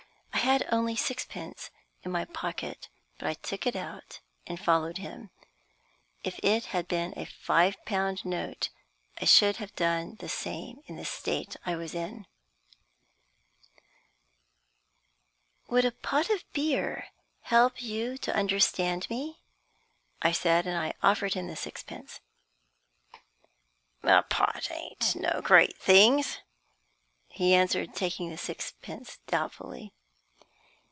I had only sixpence in my pocket, but I took it out and followed him. If it had been a five pound note I should have done the same in the state I was in then. "Would a pot of beer help you to understand me?" I said, and offered him the sixpence. "A pot ain't no great things," he answered, taking the sixpence doubtfully.